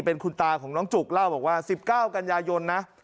เป็นคุณตาของน้องจุกเล่าบอกว่า๑๙กันยายนนะ